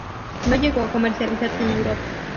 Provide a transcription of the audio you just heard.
No llegó a comercializarse en Europa.